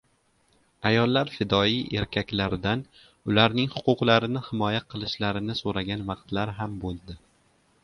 Ayollar fidoyi erkaklardan ularning huquqlarini himoya qilishlarini so‘ragan vaqtlar ham bo‘ldi.